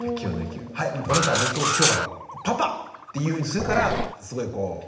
「はいこの人はもう今日からパパ！」っていうふうにするからすごいこう。